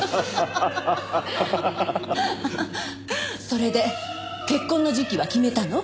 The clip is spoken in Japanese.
それで結婚の時期は決めたの？